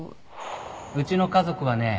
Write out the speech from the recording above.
うちの家族はね